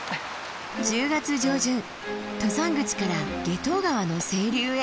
１０月上旬登山口から夏油川の清流へ。